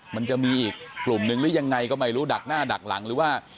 มันจะมีอีกกลุ่มหนึ่งหรือยังไงก็ไม่รู้ดักหน้าดักหลังหรือว่า